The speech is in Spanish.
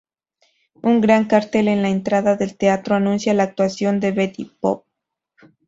Un gran cartel en la entrada del teatro anuncia la actuación de Betty Boop.